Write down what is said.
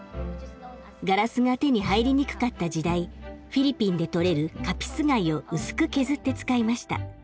ガラスが手に入りにくかった時代フィリピンでとれるカピス貝を薄く削って使いました。